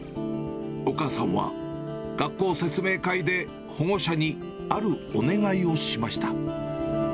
お母さんは、学校説明会で保護者にあるお願いをしました。